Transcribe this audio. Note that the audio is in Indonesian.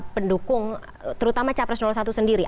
pendukung terutama capres satu sendiri